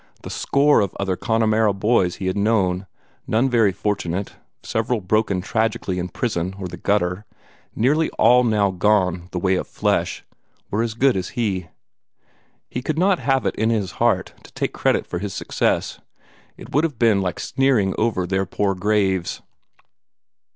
The score of other Connemara boys he had known none very fortunate, several broken tragically in prison or the gutter, nearly all now gone the way of flesh were as good as he. He could not have it in his heart to take credit for his success; it would have been like sneering over their poor graves.